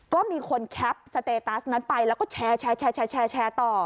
ก็มีคนแคปสเตตัสนั้นไปแล้วก็แชร์ต่อ